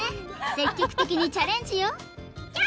積極的にチャレンジよ